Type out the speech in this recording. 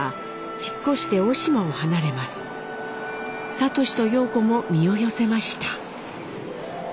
智と様子も身を寄せました。